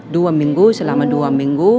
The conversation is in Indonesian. dua minggu selama dua minggu